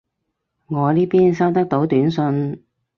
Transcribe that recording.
我呢邊收得到短信